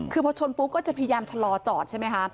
คือพอชนปุ๊บก็จะพยายามชะลอจอดใช่ไหมคะ